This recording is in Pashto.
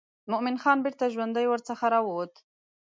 مومن خان بیرته ژوندی ورڅخه راووت.